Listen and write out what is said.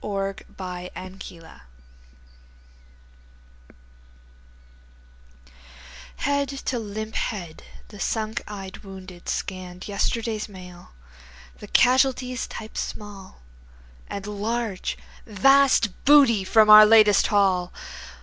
Smile, Smile, Smile Head to limp head, the sunk eyed wounded scanned Yesterday's Mail; the casualties (typed small) And (large) Vast Booty from our Latest Haul.